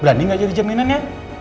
berani gak jadi jaminan ya